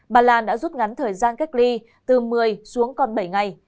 bà lan đã rút ngắn thời gian cách ly từ một mươi xuống còn bảy ngày